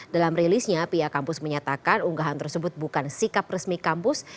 dalam rilisnya pihak kampus menyatakan unggahan tersebut bukan sikap resmi kampus